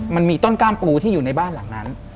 มันมีต้นกล้ามปูที่อยู่ในบ้านหลังนั้น